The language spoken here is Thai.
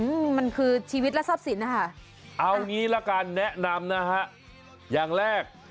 อืมมันคือชีวิตและทรัพย์สินนะคะเอางี้ละกันแนะนำนะฮะอย่างแรก